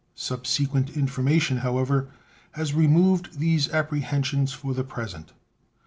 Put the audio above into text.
Subsequent information, however, has removed these apprehensions for the present.